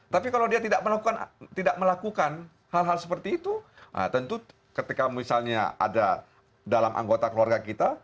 tapi kalau dia tidak melakukan hal hal seperti itu tentu ketika misalnya ada dalam anggota keluarga kita